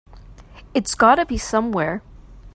It's got to be somewhere.